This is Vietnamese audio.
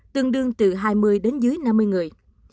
tương đương từ hai mươi đến dưới năm mươi người